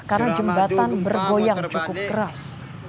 karena jembatan bergoyang cukup keras